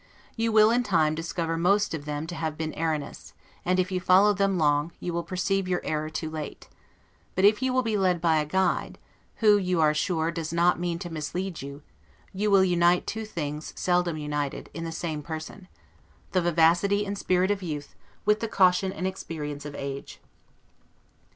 You will, in time, discover most of them to have been erroneous; and, if you follow them long, you will perceive your error too late; but if you will be led by a guide, who, you are sure, does not mean to mislead you, you will unite two things, seldom united, in the same person; the vivacity and spirit of youth, with the caution and experience of age.